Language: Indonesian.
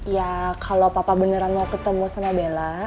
ya kalau papa beneran mau ketemu sama bella